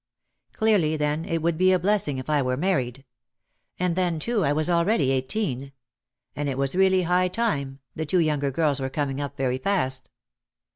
Clearly, then, it would be a blessing if I were married. And then, too, I was already eighteen. And it was really high time, the two younger girls were coming up very fast.